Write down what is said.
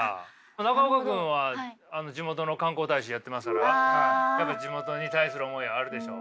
中岡君は地元の観光大使やってますからやっぱり地元に対する思いがあるでしょう。